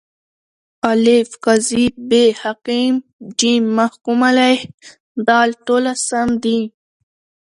الف: قاضي ب: حاکم ج: محکوم علیه د: ټوله سم دي.